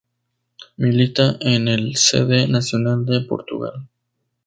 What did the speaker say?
Milita en el C. D. Nacional de Portugal.